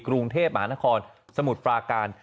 กรุงเทพมหานครสมุทรปราการ